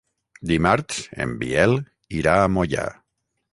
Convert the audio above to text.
Dimarts en Biel irà a Moià.